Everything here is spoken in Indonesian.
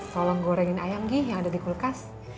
tolong gorengin ayam gi yang ada di kulkas